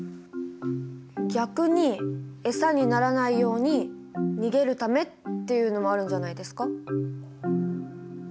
逆にエサにならないように逃げるためっていうのもあるんじゃないですか？